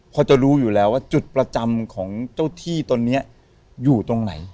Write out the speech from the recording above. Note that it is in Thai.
พอจะรู้อยู่แล้วว่าจุดประจำของเจ้าที่ตอนนี้อยู่ตรงไหน